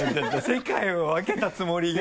世界を分けたつもりが。